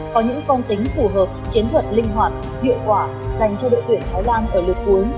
có những con tính phù hợp chiến thuật linh hoạt hiệu quả dành cho đội tuyển thái lan ở lượt cuối